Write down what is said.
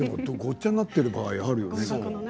ごっちゃになっている場合があるよね。